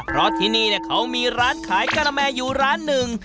เพราะที่นี่เขามีร้านขายกะละแมอยู่ร้านหนึ่ง